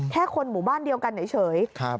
แค่คนหมู่บ้านเดียวกันเฉย